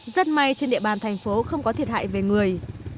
rất may trên địa bàn thành phố không có thiệt hại về người